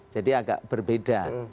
jadi agak berbeda